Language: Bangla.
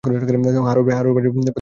হারুর বাড়ি পথের একেবারে শেষে।